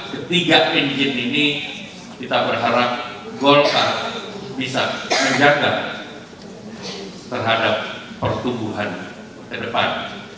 ketiga engine ini kita berharap golkar bisa menjaga terhadap pertumbuhan ke depan